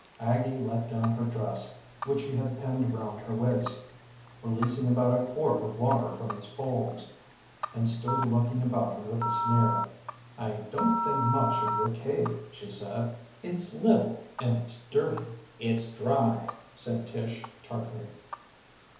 Aggie let down her dress, which she had pinned round her waist, releasing about a quart of water from its folds, and stood looking about her with a sneer. "I don't think much of your cave," she said. "It's little and it's dirty." "It's dry!" said Tish tartly.